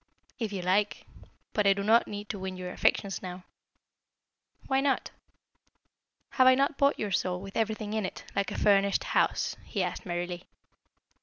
"If you like. But I do not need to win your affections now." "Why not?" "Have I not bought your soul, with everything in it, like a furnished house?" he asked merrily.